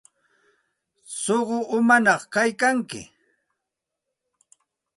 Suqu umañaq kaykanki.